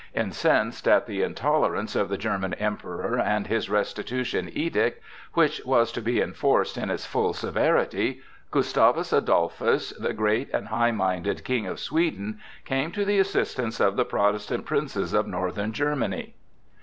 Incensed at the intolerance of the German Emperor and his Restitution Edict, which was to be enforced in its full severity, Gustavus Adolphus, the great and high minded King of Sweden, came to the assistance of the Protestant princes of northern Germany.